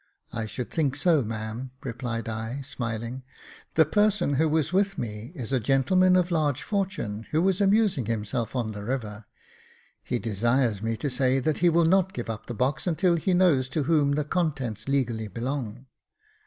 "I should think so, ma'am," replied I, smiling; "the person who was with me is a gentleman of large fortune, who was amusing himself on the river. H,e desires me to say that he will not give up the box until he knows to whom the contents legally belong."